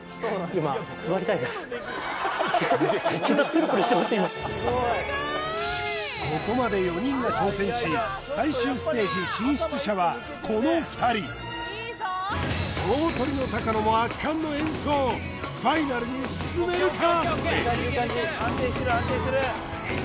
今ここまで４人が挑戦し最終ステージ進出者はこの２人の演奏ファイナルに進めるか！？